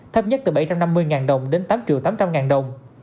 thấp nhất từ bảy trăm năm mươi đồng đến tám tám trăm linh đồng